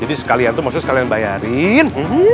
jadi sekalian tuh maksudnya sekalian bayarin